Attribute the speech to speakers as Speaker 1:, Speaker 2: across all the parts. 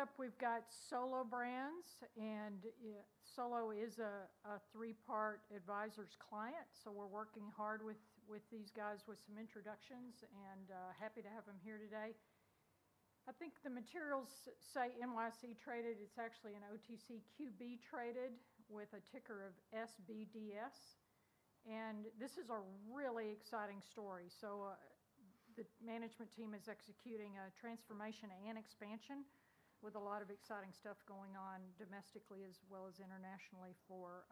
Speaker 1: Next up, we've got Solo Brands, and Solo is a Three Part Advisors client, so we're working hard with these guys with some introductions, and happy to have them here today. I think the materials say NYSE traded. It's actually an OTCQB traded with a ticker of SBDS, and this is a really exciting story. The management team is executing a transformation and expansion with a lot of exciting stuff going on domestically as well as internationally for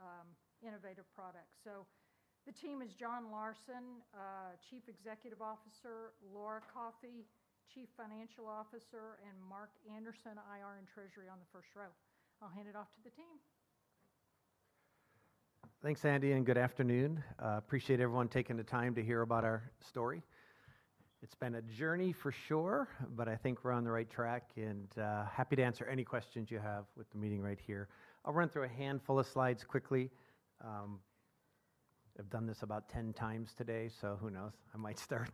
Speaker 1: innovative products. The team is John Larson, Chief Executive Officer, Laura Coffey, Chief Financial Officer, and Mark Anderson, IR and Treasury on the first row. I'll hand it off to the team.
Speaker 2: Thanks, Andy, and good afternoon. Appreciate everyone taking the time to hear about our story. It's been a journey for sure, but I think we're on the right track and happy to answer any questions you have with the meeting right here. I'll run through a handful of slides quickly. I've done this about 10x today, so who knows? I might start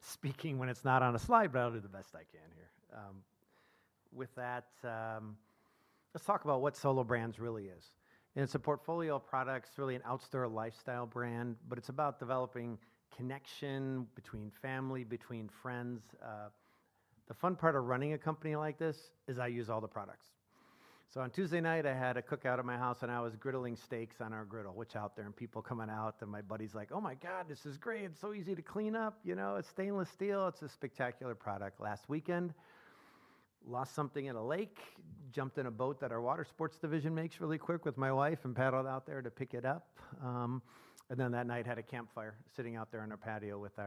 Speaker 2: speaking when it's not on a slide, but I'll do the best I can here. With that, let's talk about what Solo Brands really is, and it's a portfolio of products, really an outdoor lifestyle brand, but it's about developing connection between family, between friends. The fun part of running a company like this is I use all the products. On Tuesday night, I had a cookout at my house, and I was griddling steaks on our griddle, which out there, and people coming out, and my buddy's like, Oh, my God, this is great. It's so easy to clean up. It's stainless steel. It's a spectacular product. Last weekend, lost something at a lake, jumped in a boat that our Watersports Division makes really quick with my wife and paddled out there to pick it up. That night had a campfire sitting out there on our patio with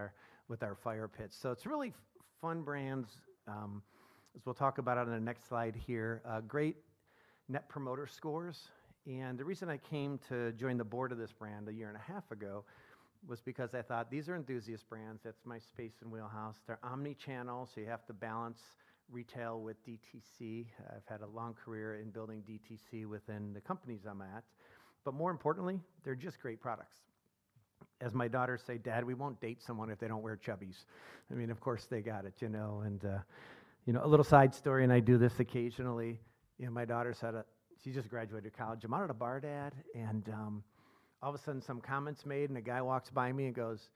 Speaker 2: our fire pits. It's really fun brands, as we'll talk about on the next slide here. Great net promoter scores. The reason I came to join the board of this brand a year and a half ago was because I thought, these are enthusiast brands. That's my space and wheelhouse. They're omni-channel, so you have to balance retail with DTC. I've had a long career in building DTC within the companies I'm at. More importantly, they're just great products. As my daughters say, Dad, we won't date someone if they don't wear Chubbies. Of course, they got it. A little side story, and I do this occasionally. My daughter, she just graduated college. I'm out at a bar, Dad. All of a sudden, some comment's made, and a guy walks by me and goes,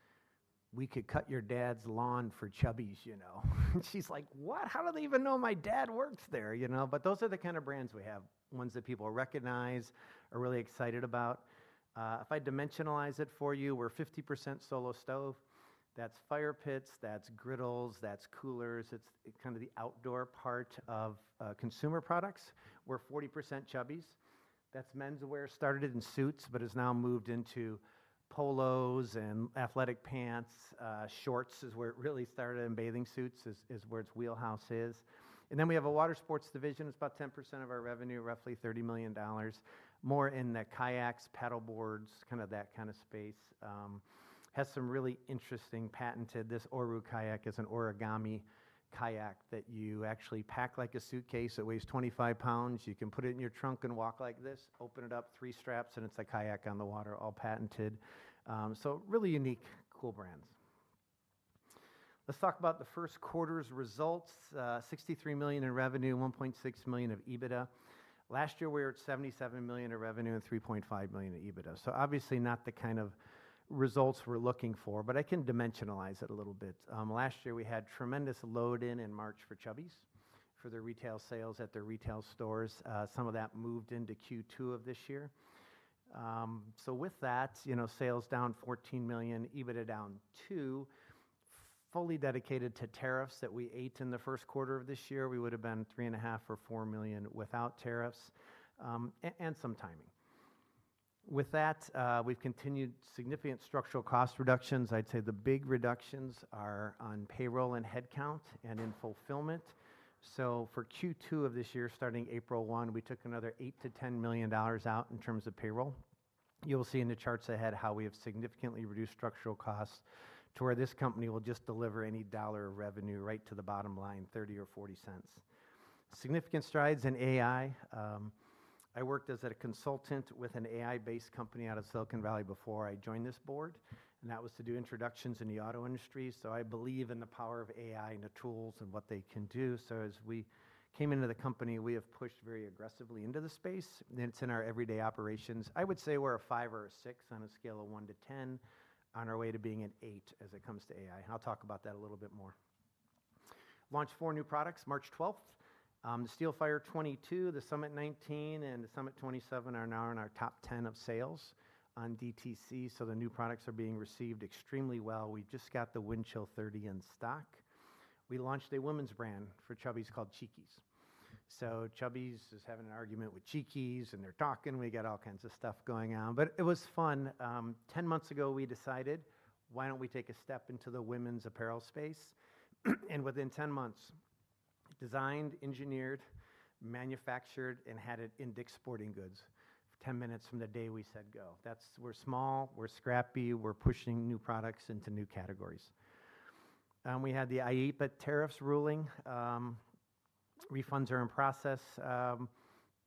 Speaker 2: We could cut your dad's lawn for Chubbies, you know? She's like, What? How do they even know my dad works there? Those are the kind of brands we have, ones that people recognize, are really excited about. If I dimensionalize it for you, we're 50% Solo Stove. That's fire pits, that's griddles, that's coolers. It's kind of the outdoor part of consumer products. We're 40% Chubbies. That's menswear. Started in suits, but has now moved into polos and athletic pants. Shorts is where it really started, and bathing suits is where its wheelhouse is. We have a Watersports Division. It's about 10% of our revenue, roughly $30 million. More in the kayaks, paddle boards, kind of that kind of space. Has some really interesting patented. This Oru Kayak is an origami kayak that you actually pack like a suitcase. It weighs 25 pounds. You can put it in your trunk and walk like this, open it up, three straps, and it's a kayak on the water, all patented. Really unique, cool brands. Let's talk about the first quarter's results. $63 million in revenue, $1.6 million of EBITDA. Last year, we were at $77 million of revenue and $3.5 million of EBITDA. Obviously, not the kind of results we're looking for, but I can dimensionalize it a little bit. Last year, we had tremendous load-in in March for Chubbies for their retail sales at their retail stores. Some of that moved into Q2 of this year. With that, sales down $14 million, EBITDA down $2 million, fully dedicated to tariffs that we ate in the first quarter of this year. We would've been $3.5 million Or $4 million without tariffs, and some timing. With that, we've continued significant structural cost reductions. I'd say the big reductions are on payroll and headcount and in fulfillment. For Q2 of this year, starting April 1, we took another $8 million-$10 million out in terms of payroll. You'll see in the charts ahead how we have significantly reduced structural costs to where this company will just deliver any dollar of revenue right to the bottom line, $0.30 or $0.40. Significant strides in AI. I worked as a consultant with an AI-based company out of Silicon Valley before I joined this board, and that was to do introductions in the auto industry. I believe in the power of AI and the tools and what they can do. As we came into the company, we have pushed very aggressively into the space, and it's in our everyday operations. I would say we're a five or a six on a scale of 1-10. On our way to being an eight as it comes to AI, and I'll talk about that a little bit more. Launched four new products March 12th. The Steelfire 22, the Summit 19, and the Summit 27 are now in our top 10 of sales on DTC. The new products are being received extremely well. We just got the Windchill 30 in stock. We launched a women's brand for Chubbies called Cheekies. Chubbies is having an argument with Cheekies, and they're talking. We got all kinds of stuff going on, but it was fun. Ten months ago, we decided, why don't we take a step into the women's apparel space? Within 10 months, designed, engineered, manufactured, and had it in Dick's Sporting Goods 10 minutes from the day we said go. We're small, we're scrappy, we're pushing new products into new categories. We had the IEEPA tariffs ruling. Refunds are in process.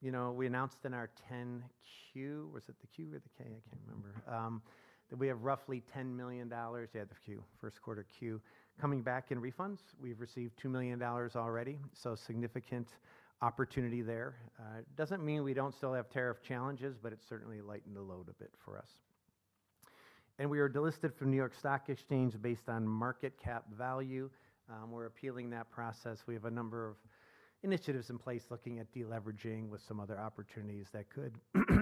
Speaker 2: We announced in our 10-Q, was it the Q or the K? I can't remember. That we have roughly $10 million. The Q, first quarter Q, coming back in refunds. We have received $2 million already, significant opportunity there. It does not mean we do not still have tariff challenges, but it is certainly lightened the load a bit for us. We are delisted from New York Stock Exchange based on market cap value. We are appealing that process. We have a number of initiatives in place looking at de-leveraging with some other opportunities that could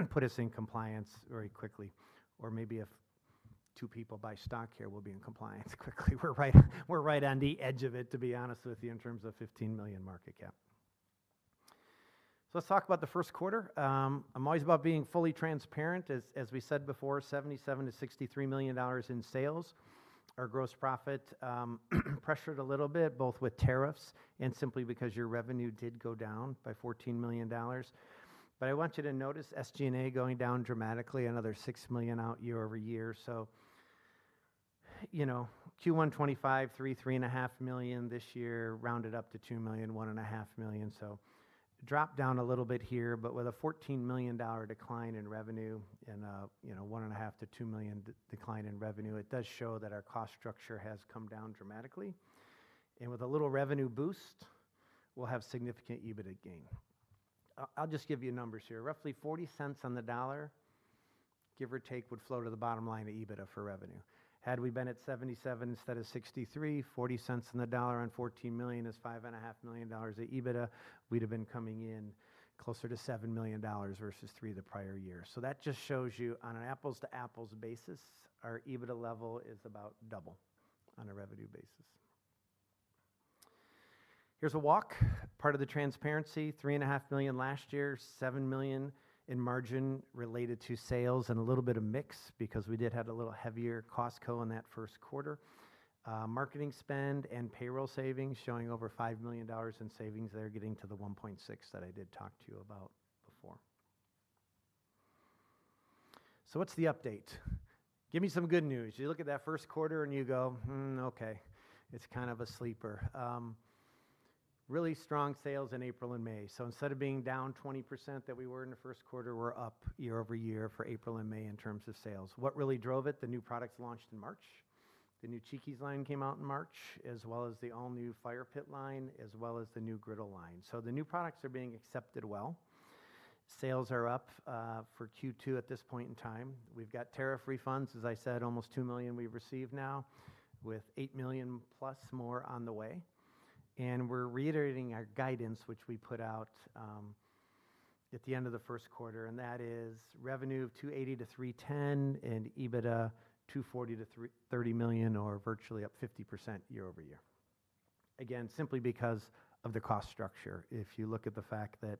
Speaker 2: put us in compliance very quickly, or maybe if two people buy stock here, we will be in compliance quickly. We are right on the edge of it, to be honest with you, in terms of $15 million market cap. Let us talk about the first quarter. I am always about being fully transparent. As we said before, $77 million to $63 million in sales. Our gross profit pressured a little bit, both with tariffs and simply because our revenue did go down by $14 million. I want you to notice SG&A going down dramatically, another $6 million out year-over-year. Q1 2025, $3 million, $3.5 million. This year, rounded up to $2 million, $1.5 million, dropped down a little bit here, but with a $14 million decline in revenue and a $1.5 million to $2 million decline in revenue, it does show that our cost structure has come down dramatically. With a little revenue boost, we will have significant EBITDA gain. I will just give you numbers here. Roughly $0.40 on the dollar, give or take, would flow to the bottom line of EBITDA for revenue. Had we been at $77 million instead of $63 million, $0.40 on the dollar on $14 million is $5.5 million of EBITDA. We would have been coming in closer to $7 million versus $3 million the prior year. That just shows you, on an apples-to-apples basis, our EBITDA level is about double on a revenue basis. Here is a walk, part of the transparency, $3.5 million last year, $7 million in margin related to sales and a little bit of mix because we did have a little heavier Costco in that first quarter. Marketing spend and payroll savings showing over $5 million in savings there, getting to the $1.6 million that I did talk to you about before. What is the update? Give me some good news. You look at that first quarter and you go, Hmm, okay. It is kind of a sleeper. Really strong sales in April and May. Instead of being down 20% that we were in the first quarter, we are up year-over-year for April and May in terms of sales. What really drove it? The new products launched in March. The new Cheekies line came out in March, as well as the all-new fire pit line, as well as the new griddle line. The new products are being accepted well. Sales are up for Q2 at this point in time. We have got tariff refunds, as I said, almost $2 million we have received now, with $8 million+ more on the way. We are reiterating our guidance, which we put out at the end of the first quarter, that is revenue of $280 million- $310 million and EBITDA $240 million-$30 million, or virtually up 50% year-over-year. Again, simply because of the cost structure. If you look at the fact that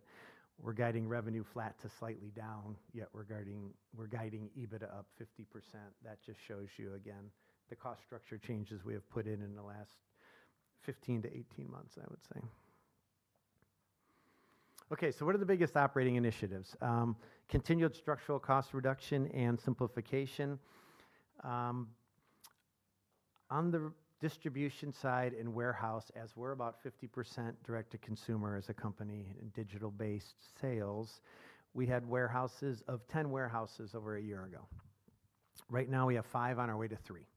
Speaker 2: we're guiding revenue flat to slightly down, yet we're guiding EBITDA up 50%, that just shows you, again, the cost structure changes we have put in in the last 15-18 months, I would say. What are the biggest operating initiatives? Continued structural cost reduction and simplification. On the distribution side and warehouse, as we're about 50% direct-to-consumer as a company in digital-based sales, we had warehouses of 10 warehouses over a year ago. Right now, we have five, on our way to three.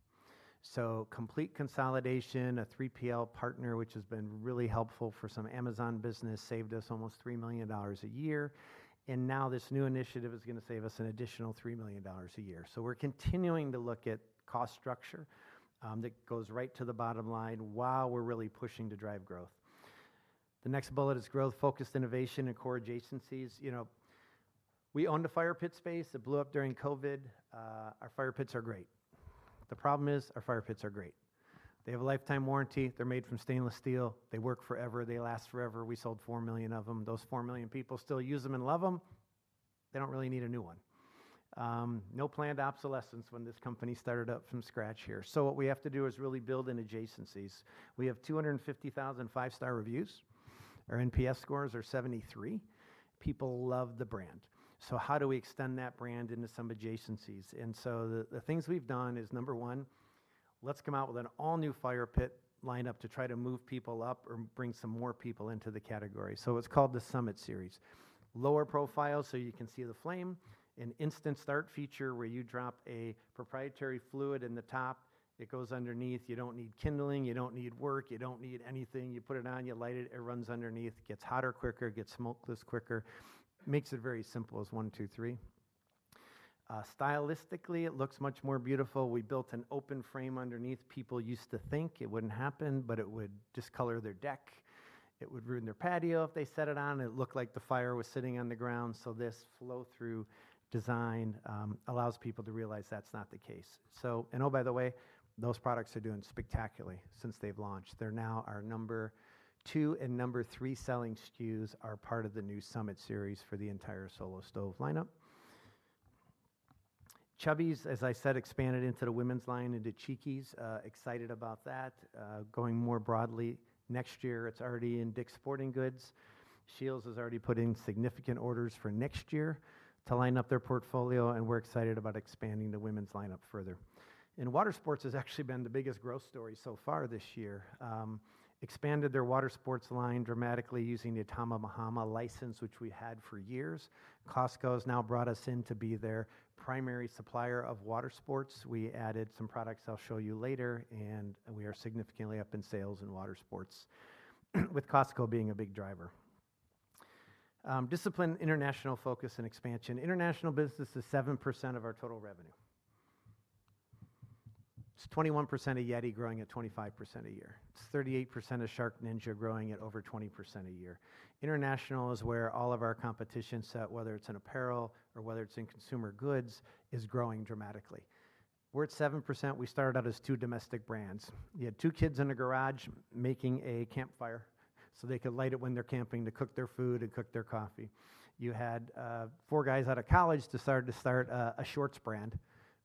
Speaker 2: Complete consolidation, a 3PL partner, which has been really helpful for some Amazon business, saved us almost $3 million a year, and now this new initiative is going to save us an additional $3 million a year. We are continuing to look at cost structure that goes right to the bottom line while we're really pushing to drive growth. The next bullet is growth-focused innovation and core adjacencies. We own the fire pit space. It blew up during COVID. Our fire pits are great. The problem is our fire pits are great. They have a lifetime warranty. They're made from stainless steel. They work forever. They last forever. We sold four million of them. Those four million people still use them and love them. They don't really need a new one. No planned obsolescence when this company started up from scratch here. What we have to do is really build in adjacencies. We have 250,000 five-star reviews. Our NPS scores are 73. People love the brand. How do we extend that brand into some adjacencies? The things we've done is, number one, let's come out with an all-new fire pit lineup to try to move people up or bring some more people into the category. It is called the Summit Series. Lower profile, so you can see the flame, an instant start feature, where you drop a proprietary fluid in the top, it goes underneath. You don't need kindling. You don't need work. You don't need anything. You put it on, you light it runs underneath, gets hotter quicker, gets smokeless quicker. Makes it very simple as one, two, three. Stylistically, it looks much more beautiful. We built an open frame underneath. People used to think it wouldn't happen, but it would discolor their deck. It would ruin their patio if they set it on. It looked like the fire was sitting on the ground. This flow-through design allows people to realize that's not the case. Oh, by the way, those products are doing spectacularly since they've launched. They're now our number two and number three selling SKUs are part of the new Summit Series for the entire Solo Stove lineup. Chubbies, as I said, expanded into the women's line, into Cheekies. Excited about that. Going more broadly next year. It's already in Dick's Sporting Goods. SCHEELS has already put in significant orders for next year to line up their portfolio, we're excited about expanding the women's lineup further. Water sports has actually been the biggest growth story so far this year. Expanded their water sports line dramatically using the Tommy Bahama license, which we had for years. Costco has now brought us in to be their primary supplier of water sports. We added some products I'll show you later. We are significantly up in sales in water sports with Costco being a big driver. Discipline, international focus, and expansion. International business is 7% of our total revenue. It is 21% of YETI growing at 25% a year. It is 38% of SharkNinja growing at over 20% a year. International is where all of our competition set, whether it is in apparel or whether it is in consumer goods, is growing dramatically. We are at 7%. We started out as two domestic brands. You had two kids in a garage making a campfire so they could light it when they are camping to cook their food and cook their coffee. You had four guys out of college decided to start a shorts brand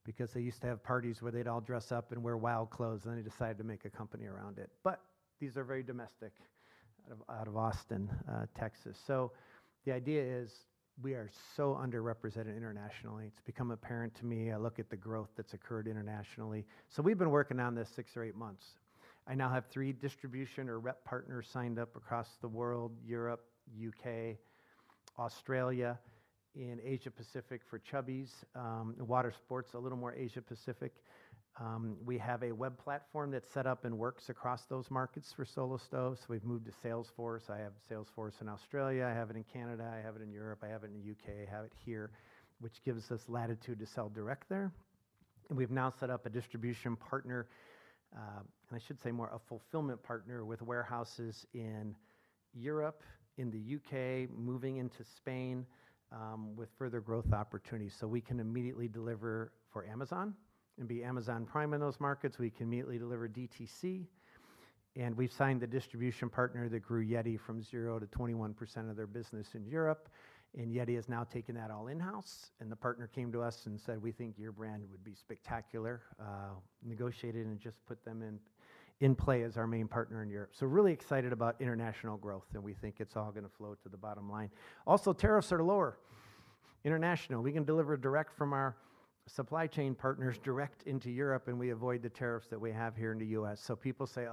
Speaker 2: because they used to have parties where they would all dress up and wear wild clothes, then they decided to make a company around it. These are very domestic, out of Austin, Texas. The idea is we are so underrepresented internationally. It has become apparent to me. I look at the growth that has occurred internationally. We have been working on this six or eight months. I now have three distribution or rep partners signed up across the world, Europe, U.K., Australia, in Asia-Pacific for Chubbies. Water sports a little more Asia-Pacific. We have a web platform that is set up and works across those markets for Solo Stove. We have moved to Salesforce. I have Salesforce in Australia. I have it in Canada. I have it in Europe. I have it in the U.K. I have it here, which gives us latitude to sell direct there. We have now set up a distribution partner, I should say more a fulfillment partner with warehouses in Europe, in the U.K., moving into Spain, with further growth opportunities. We can immediately deliver for Amazon and be Amazon Prime in those markets. We can immediately deliver DTC. We have signed the distribution partner that grew YETI from 0%-21% of their business in Europe, and YETI has now taken that all in-house. The partner came to us and said, We think your brand would be spectacular, negotiated and just put them in play as our main partner in Europe. Really excited about international growth, and we think it is all going to flow to the bottom line. Also, tariffs are lower international. We can deliver direct from our supply chain partners direct into Europe, and we avoid the tariffs that we have here in the U.S. People say,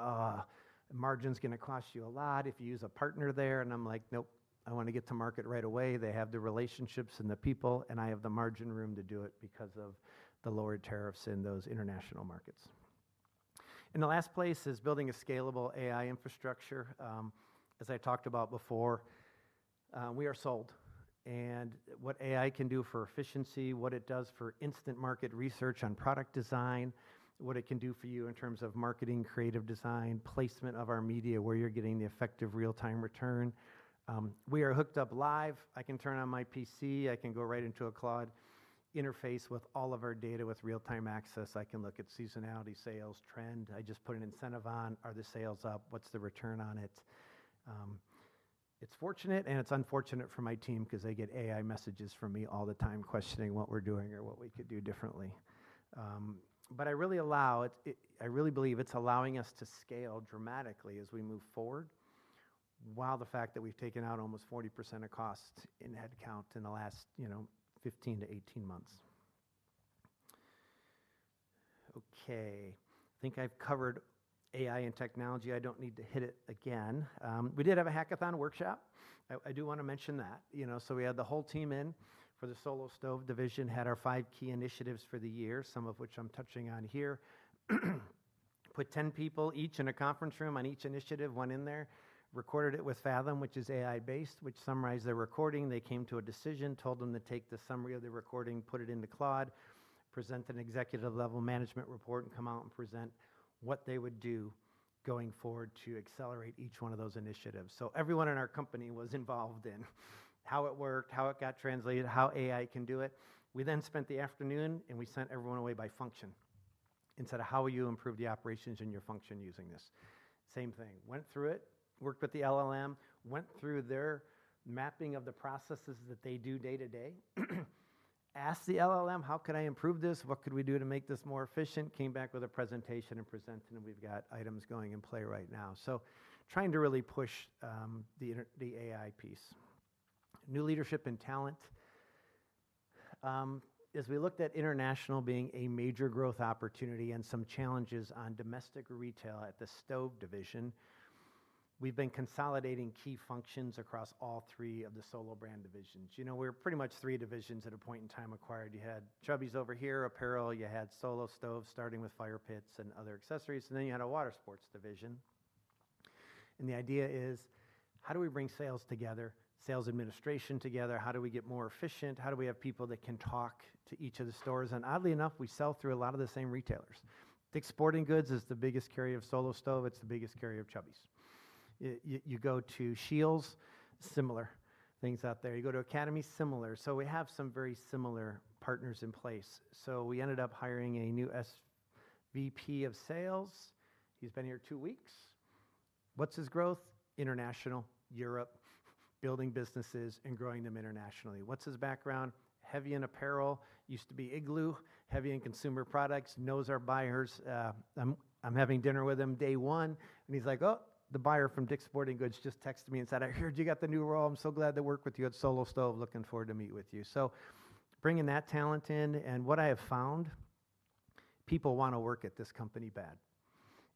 Speaker 2: Margin is going to cost you a lot if you use a partner there. I am like, Nope, I want to get to market right away. They have the relationships and the people. I have the margin room to do it because of the lowered tariffs in those international markets. The last place is building a scalable AI infrastructure. As I talked about before, we are sold. What AI can do for efficiency, what it does for instant market research on product design, what it can do for you in terms of marketing, creative design, placement of our media, where you are getting the effective real-time return. We are hooked up live. I can turn on my PC. I can go right into a Claude interface with all of our data with real-time access. I can look at seasonality, sales trend. I just put an incentive on, are the sales up? What's the return on it? It's fortunate and it's unfortunate for my team because they get AI messages from me all the time questioning what we're doing or what we could do differently. I really believe it's allowing us to scale dramatically as we move forward, while the fact that we've taken out almost 40% of cost in head count in the last 15-18 months. Okay. I think I've covered AI and technology. I don't need to hit it again. We did have a hackathon workshop. I do want to mention that. We had the whole team in for the Solo Stove division, had our five key initiatives for the year, some of which I'm touching on here. Put 10 people each in a conference room on each initiative, went in there, recorded it with Fathom, which is AI based, which summarized their recording. They came to a decision, told them to take the summary of the recording, put it into Claude, present an executive level management report, and come out and present what they would do going forward to accelerate each one of those initiatives. Everyone in our company was involved in how it worked, how it got translated, how AI can do it. We spent the afternoon and we sent everyone away by function and said, How will you improve the operations in your function using this? Same thing. Went through it, worked with the LLM, went through their mapping of the processes that they do day to day, asked the LLM, How could I improve this? What could we do to make this more efficient? Came back with a presentation and presented, and we've got items going in play right now. Trying to really push the AI piece. New leadership and talent. As we looked at international being a major growth opportunity and some challenges on domestic retail at the stove division, we've been consolidating key functions across all three of the Solo Brands divisions. We were pretty much three divisions at a point in time acquired. You had Chubbies over here, apparel. You had Solo Stove starting with fire pits and other accessories, and then you had a Watersports Division. The idea is how do we bring sales together, sales administration together? How do we get more efficient? How do we have people that can talk to each of the stores? Oddly enough, we sell through a lot of the same retailers. Dick's Sporting Goods is the biggest carrier of Solo Stove. It's the biggest carrier of Chubbies. You go to SCHEELS, similar things out there. You go to Academy, similar. We have some very similar partners in place. We ended up hiring a new SVP of Sales. He's been here two weeks. What's his growth? International, Europe, building businesses and growing them internationally. What's his background? Heavy in apparel, used to be Igloo, heavy in consumer products, knows our buyers. I'm having dinner with him day one and he's like, Oh, the buyer from Dick's Sporting Goods just texted me and said, 'I heard you got the new role. I'm so glad to work with you at Solo Stove. Looking forward to meet with you.' Bringing that talent in. What I have found, people want to work at this company bad.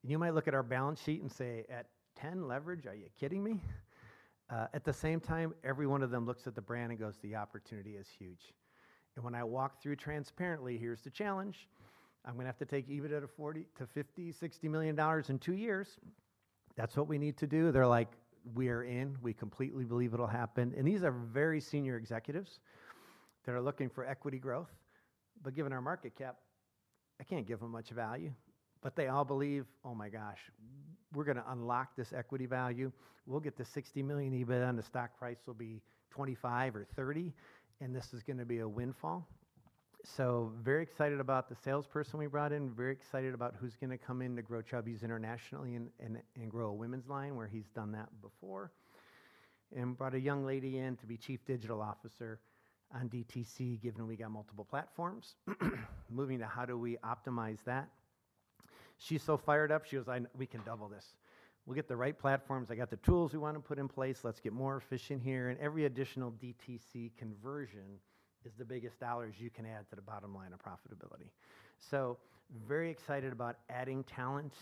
Speaker 2: You might look at our balance sheet and say, At 10 leverage, are you kidding me? At the same time, every one of them looks at the brand and goes, The opportunity is huge. When I walk through transparently, here's the challenge, I'm going to have to take EBIT out of $40 million to $50 million, $60 million in two years. That's what we need to do. They're like, We're in. We completely believe it'll happen. These are very senior executives that are looking for equity growth. Given our market cap, I can't give them much value. They all believe, oh my gosh, we're going to unlock this equity value. We'll get to $60 million EBIT, and the stock price will be $25 or $30, and this is going to be a windfall. Very excited about the salesperson we brought in, very excited about who's going to come in to grow Chubbies internationally and grow a women's line where he's done that before. Brought a young lady in to be Chief Digital Officer on DTC, given we got multiple platforms. Moving to how do we optimize that? She's so fired up. She goes, We can double this. We'll get the right platforms. I got the tools we want to put in place. Let's get more efficient here. Every additional DTC conversion is the biggest dollars you can add to the bottom line of profitability. Very excited about adding talent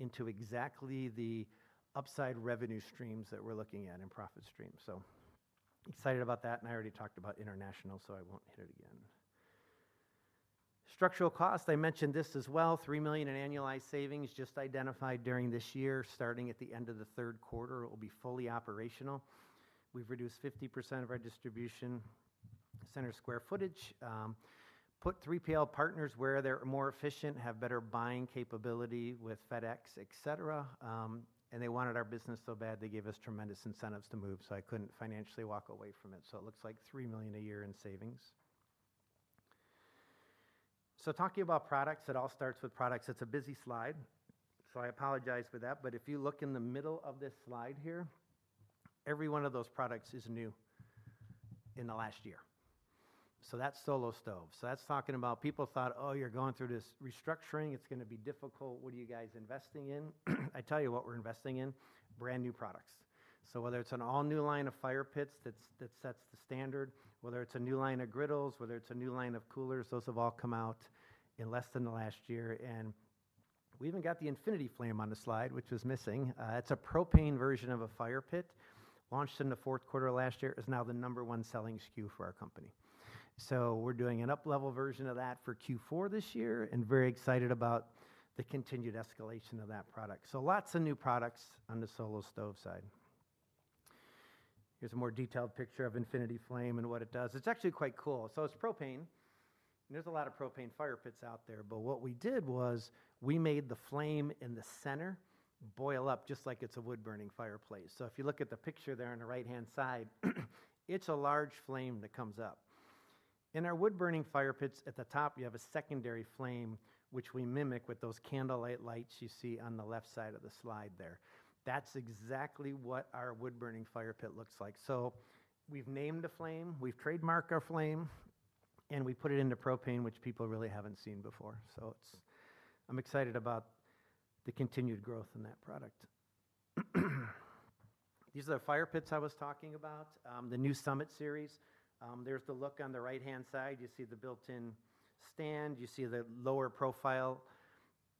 Speaker 2: into exactly the upside revenue streams that we're looking at and profit streams. Excited about that, and I already talked about international, so I won't hit it again. Structural cost, I mentioned this as well, $3 million in annualized savings just identified during this year. Starting at the end of the third quarter, it will be fully operational. We've reduced 50% of our distribution center square footage. Put 3PL partners where they're more efficient, have better buying capability with FedEx, et cetera. They wanted our business so bad they gave us tremendous incentives to move, so I couldn't financially walk away from it. It looks like $3 million a year in savings. Talking about products, it all starts with products. It's a busy slide, so I apologize for that. If you look in the middle of this slide here, every one of those products is new in the last year. That's Solo Stove. That's talking about people thought, Oh, you're going through this restructuring. It's going to be difficult. What are you guys investing in? I tell you what we're investing in, brand new products. Whether it's an all-new line of fire pits that sets the standard, whether it's a new line of griddles, whether it's a new line of coolers, those have all come out in less than the last year, and we even got the Infinity Flame on the slide, which was missing. It's a propane version of a fire pit launched in the fourth quarter of last year. It's now the number 1 selling SKU for our company. We're doing an up-level version of that for Q4 this year, and very excited about the continued escalation of that product. Lots of new products on the Solo Stove side. Here's a more detailed picture of Infinity Flame and what it does. It's actually quite cool. It's propane, and there's a lot of propane fire pits out there, but what we did was we made the flame in the center boil up just like it's a wood-burning fireplace. If you look at the picture there on the right-hand side, it's a large flame that comes up. In our wood-burning fire pits, at the top you have a secondary flame which we mimic with those candlelight lights you see on the left side of the slide there. That's exactly what our wood-burning fire pit looks like. We've named a flame, we've trademarked our flame, and we put it into propane, which people really haven't seen before. I'm excited about the continued growth in that product. These are the fire pits I was talking about, the new Summit Series. There's the look on the right-hand side. You see the built-in stand. You see the lower profile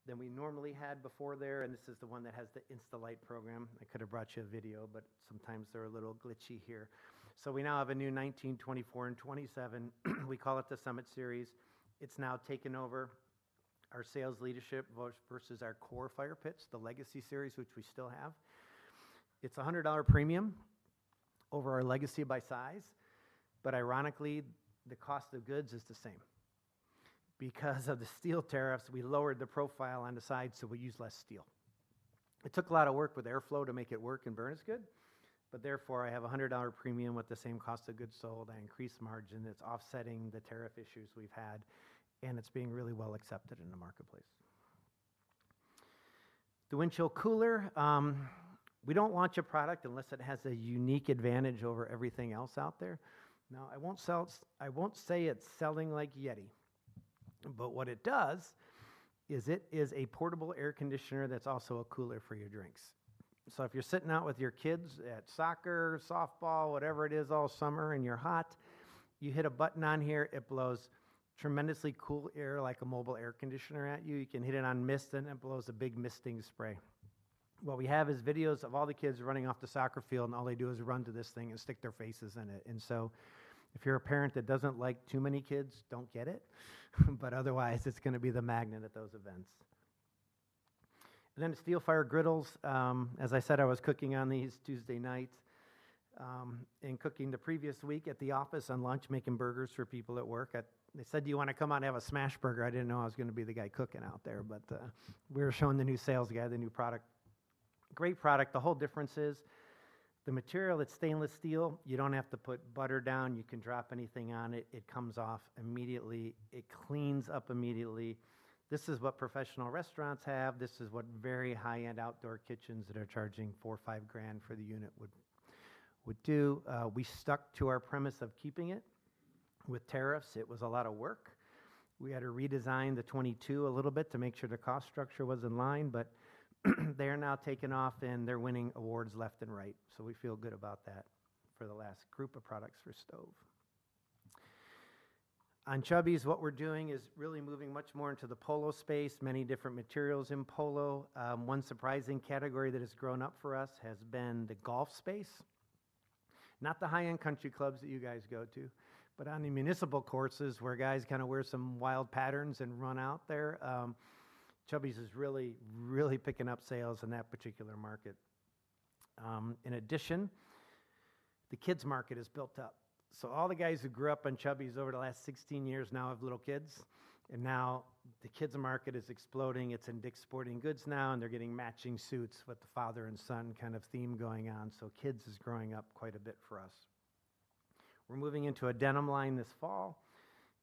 Speaker 2: than we normally had before there, and this is the one that has the InstaLight. I could have brought you a video, but sometimes they're a little glitchy here. We now have a new Summit 19, Summit 24, and Summit 27. We call it the Summit Series. It's now taken over our sales leadership versus our core fire pits, the Legacy Series, which we still have. It's $100 premium over our Legacy by size, but ironically, the cost of goods is the same. Because of the steel tariffs, we lowered the profile on the side, so we use less steel. It took a lot of work with airflow to make it work and burn as good, but therefore, I have a $100 premium with the same cost of goods sold. I increased the margin that's offsetting the tariff issues we've had, and it's being really well accepted in the marketplace. The Windchill Cooler, we don't launch a product unless it has a unique advantage over everything else out there. Now, I won't say it's selling like YETI, but what it does is it is a portable air conditioner that's also a cooler for your drinks. If you're sitting out with your kids at soccer, softball, whatever it is all summer, and you're hot, you hit a button on here, it blows tremendously cool air like a mobile air conditioner at you. You can hit it on mist, and it blows a big misting spray. What we have is videos of all the kids running off the soccer field, and all they do is run to this thing and stick their faces in it. If you're a parent that doesn't like too many kids, don't get it, but otherwise it's going to be the magnet at those events. The Steelfire Griddles, as I said, I was cooking on these Tuesday night, and cooking the previous week at the office on lunch making burgers for people at work. They said, Do you want to come out and have a smash burger? I didn't know I was going to be the guy cooking out there. We were showing the new sales guy the new product. Great product. The whole difference is the material, it's stainless steel. You don't have to put butter down. You can drop anything on it. It comes off immediately. It cleans up immediately. This is what professional restaurants have. This is what very high-end outdoor kitchens that are charging four, five grand for the unit would do. We stuck to our premise of keeping it. With tariffs, it was a lot of work. We had to redesign the Steelfire 22 a little bit to make sure the cost structure was in line, but they are now taking off, and they're winning awards left and right. We feel good about that for the last group of products for Solo Stove. On Chubbies, what we're doing is really moving much more into the polo space. Many different materials in polo. One surprising category that has grown up for us has been the golf space. Not the high-end country clubs that you guys go to, but on the municipal courses where guys wear some wild patterns and run out there. Chubbies is really picking up sales in that particular market. In addition, the kids market has built up. All the guys who grew up on Chubbies over the last 16 years now have little kids, and now the kids market is exploding. It's in Dick's Sporting Goods now, and they're getting matching suits with the father and son kind of theme going on. Kids is growing up quite a bit for us. We're moving into a denim line this fall,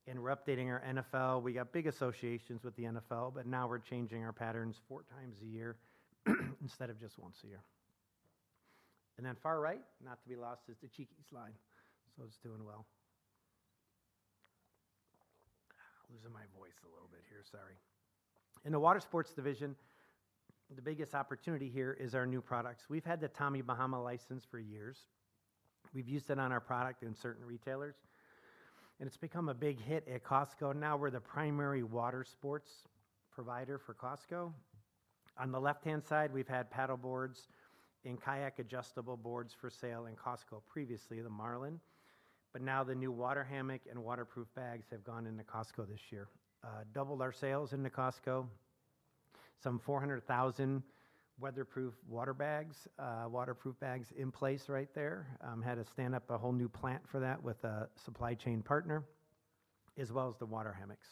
Speaker 2: and we're updating our NFL. We got big associations with the NFL, but now we're changing our patterns 4 times a year instead of just once a year. Far right, not to be lost, is the Cheekies line. It's doing well. Losing my voice a little bit here, sorry. In the Watersports Division, the biggest opportunity here is our new products. We've had the Tommy Bahama license for years. We've used it on our product in certain retailers, and it's become a big hit at Costco. Now we're the primary water sports provider for Costco. On the left-hand side, we've had paddle boards and kayak adjustable boards for sale in Costco, previously the Marlin. The new water hammock and waterproof bags have gone into Costco this year. Doubled our sales into Costco. Some 400,000 weatherproof water bags, waterproof bags in place right there. Had to stand up a whole new plant for that with a supply chain partner, as well as the water hammocks.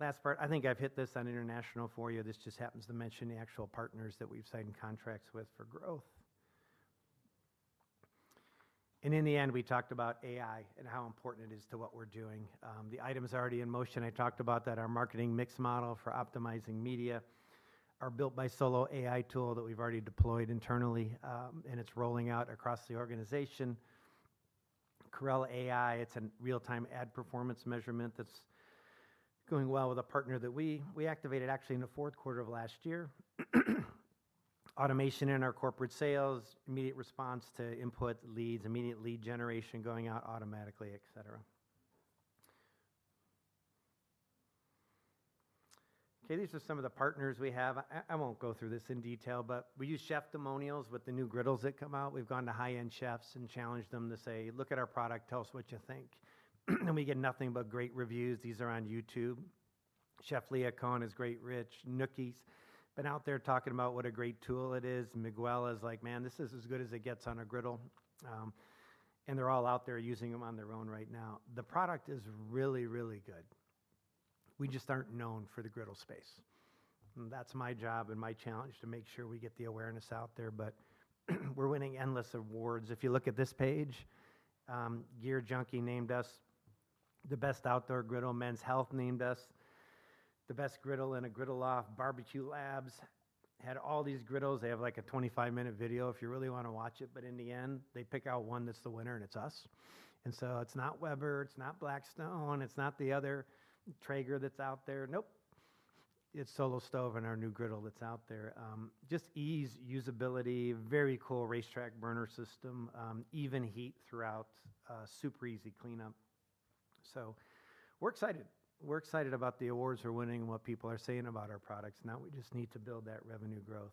Speaker 2: Last part, I think I've hit this on international for you. This just happens to mention the actual partners that we've signed contracts with for growth. In the end, we talked about AI and how important it is to what we're doing. The item's already in motion. I talked about that our marketing mix model for optimizing media are built by Solo AI tool that we've already deployed internally, and it's rolling out across the organization. Corel AI, it's a real-time ad performance measurement that's going well with a partner that we activated actually in the fourth quarter of last year. Automation in our corporate sales, immediate response to input leads, immediate lead generation going out automatically, et cetera. These are some of the partners we have. I won't go through this in detail, but we use chef testimonials with the new griddles that come out. We've gone to high-end chefs and challenged them to say, Look at our product, tell us what you think. We get nothing but great reviews. These are on YouTube. Chef Leah Cohen is great. Rich Nooki's been out there talking about what a great tool it is. Miguel is like, Man, this is as good as it gets on a griddle. They're all out there using them on their own right now. The product is really, really good. We just aren't known for the griddle space. That's my job and my challenge, to make sure we get the awareness out there. We're winning endless awards. If you look at this page, GearJunkie named us the best outdoor griddle. Men's Health named us the best griddle in a griddle-off. The Barbecue Lab had all these griddles. They have a 25-minute video if you really want to watch it, but in the end, they pick out one that's the winner, and it's us. It's not Weber, it's not Blackstone, it's not the other Traeger that's out there. Nope. It's Solo Stove and our new griddle that's out there. Just ease, usability, very cool racetrack burner system, even heat throughout, super easy cleanup. We're excited. We're excited about the awards we're winning and what people are saying about our products. We just need to build that revenue growth.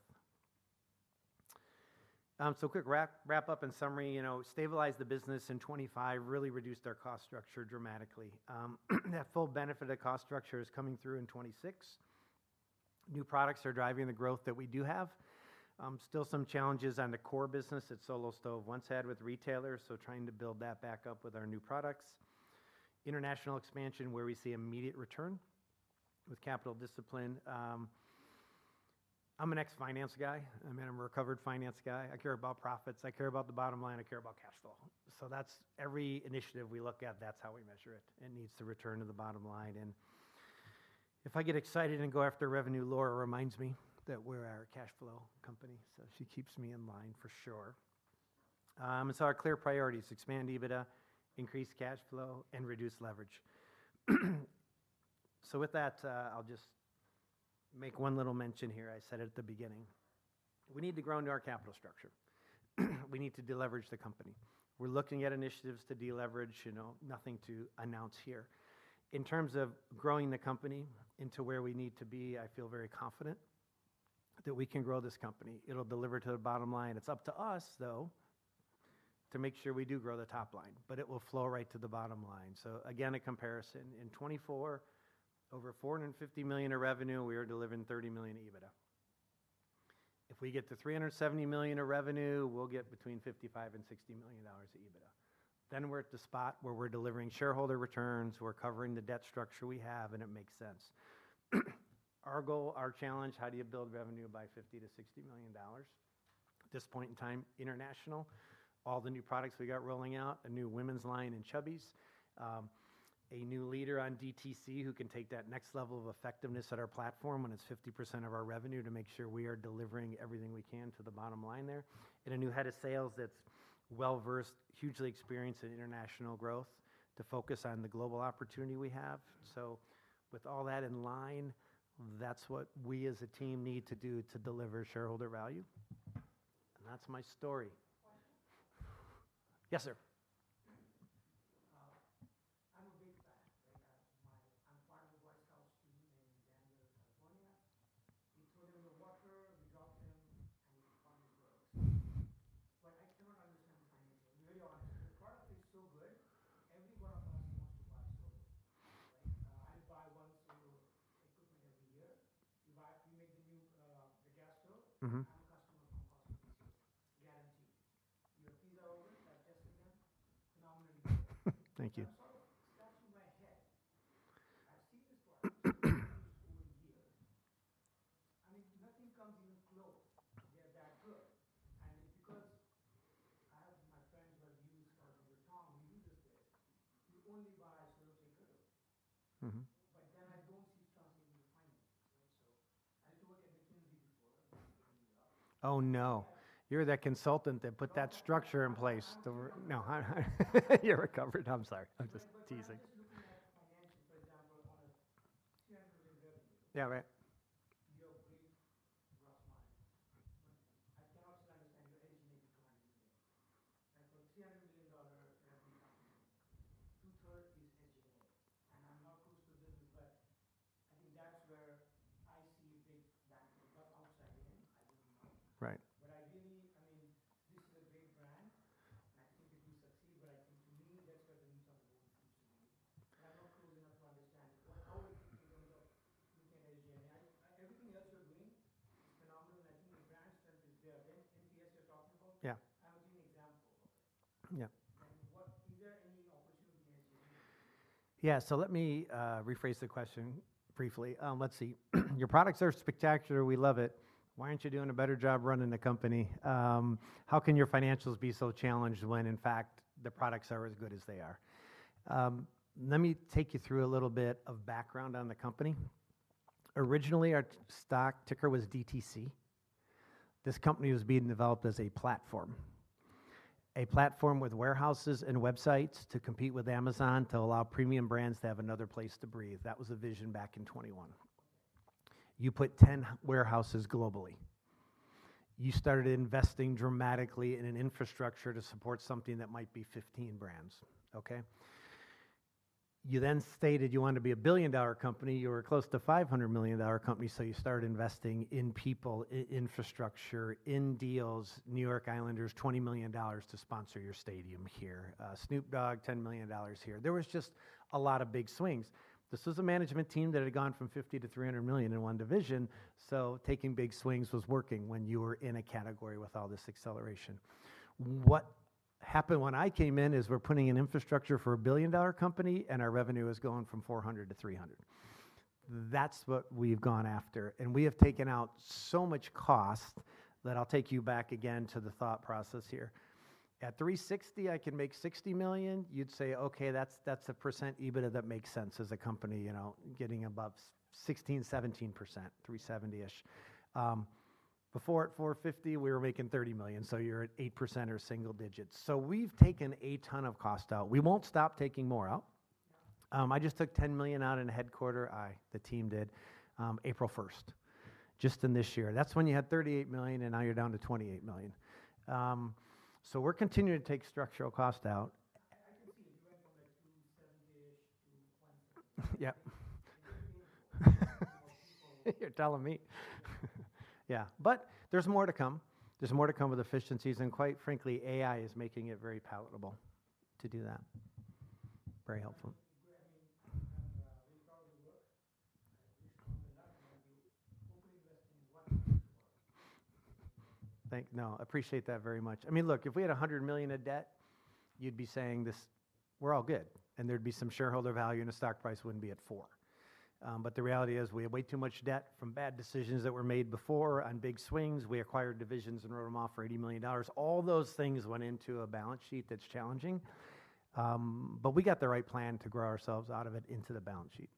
Speaker 2: Quick wrap-up and summary. Stabilized the business in 2025, really reduced our cost structure dramatically. That full benefit of cost structure is coming through in 2026. New products are driving the growth that we do have. Still some challenges on the core business that Solo Stove once had with retailers, trying to build that back up with our new products. International expansion, where we see immediate return with capital discipline. I'm an ex finance guy. I'm a recovered finance guy. I care about profits. I care about the bottom line. I care about cash flow. Every initiative we look at, that's how we measure it. It needs to return to the bottom line. If I get excited and go after revenue, Laura reminds me that we're a cash flow company. She keeps me in line for sure. Our clear priorities, expand EBITDA, increase cash flow, and reduce leverage. With that, I'll just make one little mention here I said at the beginning. We need to grow into our capital structure. We need to deleverage the company. We're looking at initiatives to deleverage, nothing to announce here. In terms of growing the company into where we need to be, I feel very confident that we can grow this company. It'll deliver to the bottom line. It's up to us, though, to make sure we do grow the top line, it will flow right to the bottom line. Again, a comparison. In 2024, over $450 million of revenue, we are delivering $30 million of EBITDA. If we get to $370 million of revenue, we'll get between $55 million and $60 million of EBITDA. We're at the spot where we're delivering shareholder returns, we're covering the debt structure we have, and it makes sense. Our goal, our challenge, how do you build revenue by $50 million-$60 million? At this point in time, international, all the new products we got rolling out, a new women's line in Chubbies, a new leader on DTC who can take that next level of effectiveness at our platform when it's 50% of our revenue to make sure we are delivering everything we can to the bottom line there, and a new head of sales that's well-versed, hugely experienced in international growth to focus on the global opportunity we have. With all that in line, that's what we as a team need to do to deliver shareholder value. That's my story. Questions?
Speaker 1: Yes, sir.
Speaker 3: We throw them in the water, we drop them, and we find it works. I cannot understand the financials, to be really honest. The product is so good, every one of us wants to buy Solo. I buy one Solo equipment every year. You make the new gas stove- I'm a customer for life, guaranteed. Your stoves are open, I've tested them, phenomenal.
Speaker 2: Thank you.
Speaker 3: I sort of scratch my head. I've seen this product over years. Nothing comes even close. They are that good. It's because I have my friends who have used your tong, we use this thing. We only buy Solo Stove. I don't see translating the finances. I used to work at McKinsey before, I worked in New York.
Speaker 2: Oh, no. You're that consultant that put that structure in place.
Speaker 3: No, I'm recovered.
Speaker 2: You're recovered. I'm sorry. I'm just teasing.
Speaker 3: No, I'm just looking at the financials. For example, on a $300 million revenue.
Speaker 2: Yeah, right.
Speaker 3: You have a big gross margin. I cannot
Speaker 2: a platform with warehouses and websites to compete with Amazon to allow premium brands to have another place to breathe. That was the vision back in 2021. You put 10 warehouses globally. You started investing dramatically in an infrastructure to support something that might be 15 brands, okay? You stated you wanted to be a billion-dollar company. You were close to a $500 million company, you started investing in people, in infrastructure, in deals. New York Islanders, $20 million to sponsor your stadium here. Snoop Dogg, $10 million here. There was just a lot of big swings. This was a management team that had gone from $50 million to $300 million in one division, so taking big swings was working when you were in a category with all this acceleration. What happened when I came in is we're putting in infrastructure for a billion-dollar company, and our revenue has gone from $400 million to $300 million. That's what we've gone after. We have taken out so much cost that I'll take you back again to the thought process here. At $360 million, I can make $60 million. You'd say, Okay, that's a % EBITDA that makes sense as a company, getting above 16%-17%, $370 million-ish. Before, at $450 million, we were making $30 million, so you're at 8% or single digits. We've taken a ton of cost out. We won't stop taking more out.
Speaker 3: Yeah.
Speaker 2: I just took $10 million out in a headquarter. The team did, April 1st, just in this year. That's when you had $38 million, and now you're down to $28 million. We're continuing to take structural cost out.
Speaker 3: I can see it. You went from a $270 million-ish to $20 million.
Speaker 2: Yeah.
Speaker 3: You're paying more people.
Speaker 2: You're telling me. Yeah. There's more to come. There's more to come with efficiencies, quite frankly, AI is making it very palatable to do that. Very helpful.
Speaker 3: I mean, at least on the manufacturing, we're probably investing 1% more.
Speaker 2: No, appreciate that very much. Look, if we had $100 million of debt, you'd be saying this, We're all good. There'd be some shareholder value, and the stock price wouldn't be at four. The reality is, we have way too much debt from bad decisions that were made before on big swings. We acquired divisions and wrote them off for $80 million. All those things went into a balance sheet that's challenging. We got the right plan to grow ourselves out of it into the balance sheet.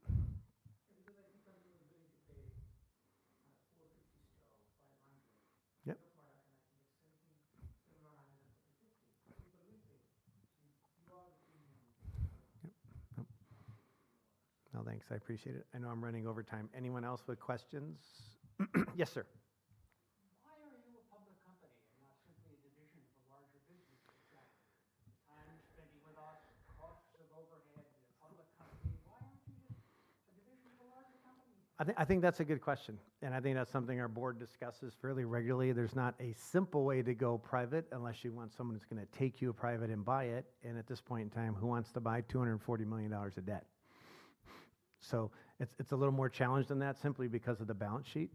Speaker 3: I think when you're going to pay 450 stores.
Speaker 2: Yep
Speaker 3: your product cannot be $17, $17.50. You believe it. You are the team.
Speaker 2: Yep. No, thanks. I appreciate it. I know I'm running over time. Anyone else with questions?
Speaker 1: Yes, sir.
Speaker 4: Why are you a public company and not simply a division of a larger business exactly? I'm spending with us costs of overhead, you're a public company. Why aren't you just a division of a larger company?
Speaker 2: I think that's a good question. I think that's something our board discusses fairly regularly. There's not a simple way to go private unless you want someone who's going to take you private and buy it. At this point in time, who wants to buy $240 million of debt? It's a little more challenged than that simply because of the balance sheet.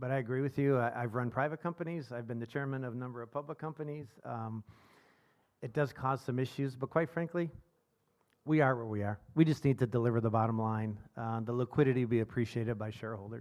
Speaker 2: I agree with you. I've run private companies. I've been the chairman of a number of public companies. It does cause some issues. Quite frankly, we are where we are. We just need to deliver the bottom line, the liquidity be appreciated by shareholders